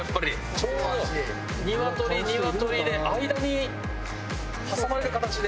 ちょうどニワトリニワトリで間に挟まれる形で。